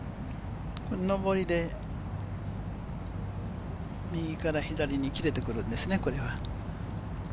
上りで、右から左に切れてくるんですね、これは。